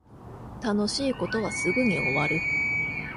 楽しい事はすぐに終わる